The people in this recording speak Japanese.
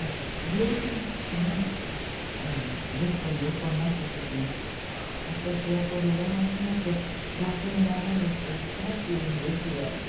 病気になってねベットに横になった時に「はぁ私はこれで初めて楽になれる」って言ったっていうんですよ。